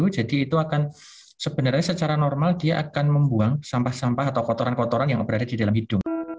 jadi itu akan sebenarnya secara normal dia akan membuang sampah sampah atau kotoran kotoran yang berada di dalam hidung